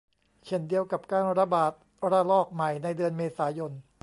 เช่นเดียวกับการระบาดระลอกใหม่ในเดือนเมษายน